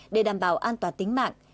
để đảm bảo an toàn tính mạng